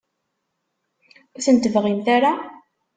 Ur ten-tebɣimt ara?